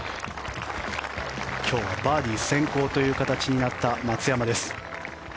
今日はバーディー先行という形になった松山です。